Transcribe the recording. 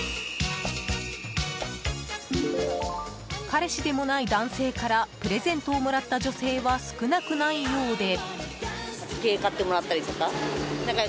彼氏でもない男性からプレゼントをもらった女性は少なくないようで。